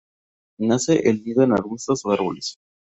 Hace el nido en arbustos o árboles.